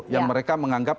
yang mereka menganggap